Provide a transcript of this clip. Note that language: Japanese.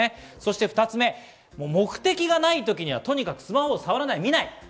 ２つ目が目的がないときには、とにかくスマホは触らない、見ない。